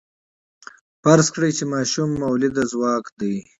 فرض کړئ چې ماشوم مؤلده ځواک دی.